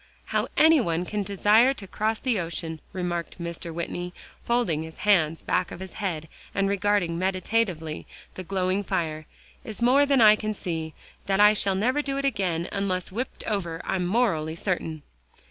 "How any one can desire to cross the ocean," remarked Mr. Whitney, folding his hands back of his head and regarding meditatively the glowing fire, "is more than I can see. That I never shall do it again unless whipped over, I'm morally certain."